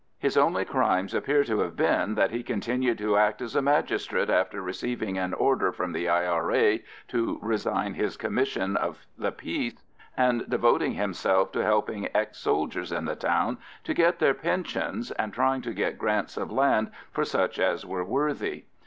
His only crimes appear to have been that he continued to act as a magistrate after receiving an order from the I.R.A. to resign his commission of the peace, and devoting himself to helping ex soldiers in the town to get their pensions and trying to get grants of land for such as were worthy.